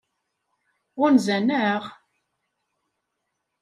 Ɣunzan-aɣ?